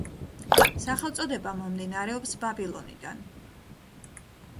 სახელწოდება მომდინარეობს ბაბილონიდან.